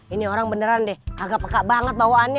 ini orang beneran deh agak peka banget bawaannya